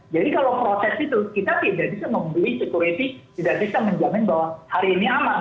jadi kalau proses itu kita tidak bisa membeli security tidak bisa menjamin bahwa hari ini aman